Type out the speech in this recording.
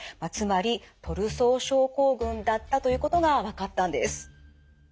つまりトルソー症候群だったということが分かったんです。